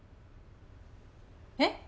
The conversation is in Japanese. えっ？